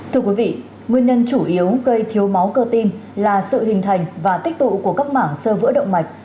thưa quý vị nguyên nhân chủ yếu gây thiếu máu cơ tim là sự hình thành và tích tụ của các mảng sơ vữa động mạch